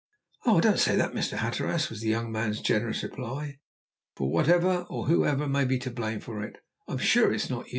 "Oh, don't say that, Mr. Hatteras!" was the young man's generous reply. "For whatever or whoever may be to blame for it, I'm sure you're not."